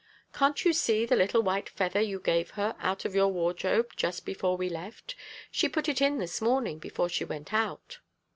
"Can't you see the little white feather you gave her out of your wardrobe just before we left? She put it in this morning before she went out."